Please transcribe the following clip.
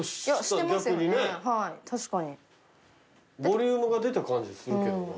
ボリュームが出た感じするけどな。